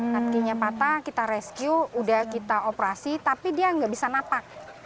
kakinya patah kita rescue udah kita operasi tapi dia nggak bisa napak